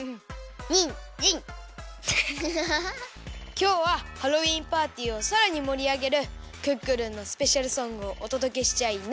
きょうはハロウィーンパーティーをさらにもりあげるクックルンのスペシャルソングをおとどけしちゃいナス！